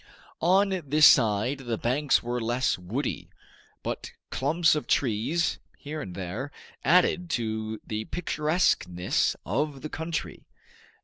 On this side the banks were less woody, but clumps of trees, here and there, added to the picturesqueness of the country.